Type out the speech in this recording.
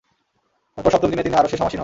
তারপর সপ্তম দিনে তিনি আরশে সমাসীন হন।